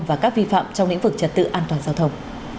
và các vi phạm trong lĩnh vực trật tự an toàn giao thông